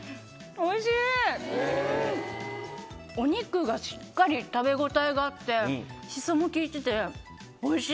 お肉がしっかり食べ応えがあってシソも利いてておいしい！